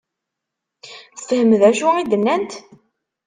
Tefhem d acu i d-nnant?